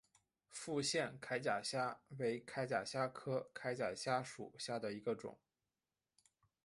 复线铠甲虾为铠甲虾科铠甲虾属下的一个种。